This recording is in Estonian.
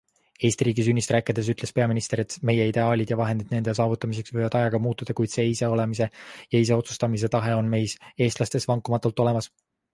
Eesti riigi sünnist rääkides ütles peaminister, et meie ideaalid ja vahendid nende saavutamiseks võivad ajaga muutuda, kuid see iseolemise ja ise otsustamise tahe on meis, eestlastes vankumatult olemas.